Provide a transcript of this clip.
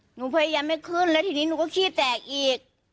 หนูพยายามไม่ขึ้นแล้วทีนี้หนูก็ขี้แตกอีก